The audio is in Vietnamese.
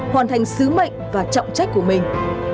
hoàn thành sứ mệnh và trọng trách của mình